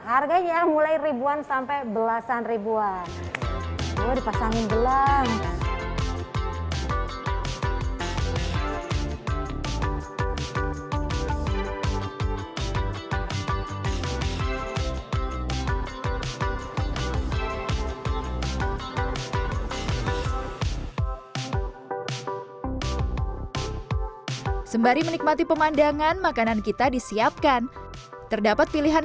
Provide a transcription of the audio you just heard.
harganya mulai ribuan sampai belasan ribuan